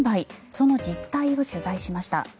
その実態を取材しました。